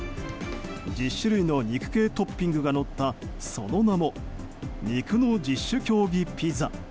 １０種類の肉系トッピングがのったその名も肉の十種競技ピザ。